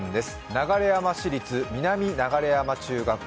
流山市立南流山中学校。